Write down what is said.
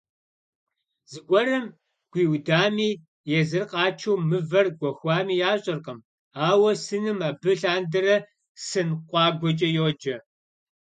Зыгуэрым гуиудами, езыр къачэу мывэр гуэхуами ящӀэркъым, ауэ сыным абы лъандэрэ «Сын къуагуэкӀэ» йоджэ.